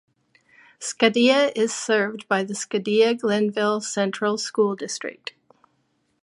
Scotia is served by the Scotia-Glenville Central School District.